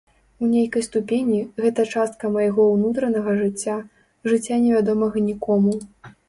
У нейкай ступені, гэта частка майго ўнутранага жыцця, жыцця невядомага нікому.